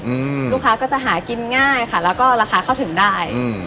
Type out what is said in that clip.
อืมลูกค้าก็จะหากินง่ายค่ะแล้วก็ราคาเข้าถึงได้อืม